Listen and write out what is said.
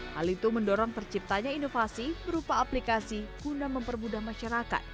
hal itu mendorong terciptanya inovasi berupa aplikasi guna mempermudah masyarakat